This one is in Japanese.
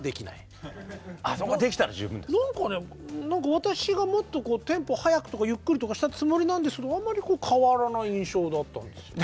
私がもっとテンポ速くとかゆっくりとかしたつもりなんですけどあんまり変わらない印象だったんですよね。